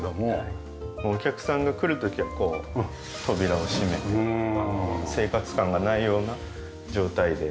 お客さんが来る時はこう扉を閉めて生活感がないような状態で。